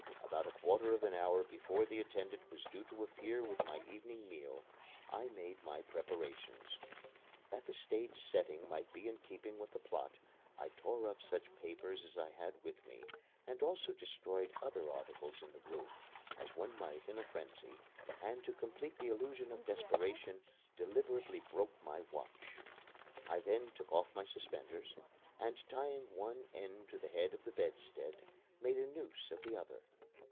About a quarter of an hour before the attendant was due to appear with my evening meal I made my preparations. That the stage setting might be in keeping with the plot, I tore up such papers as I had with me, and also destroyed other articles in the room as one might in a frenzy; and to complete the illusion of desperation, deliberately broke my watch. I then took off my suspenders, and tying one end to the head of the bedstead, made a noose of the other.